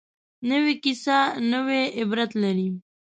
نوې کیسه نوې عبرت لري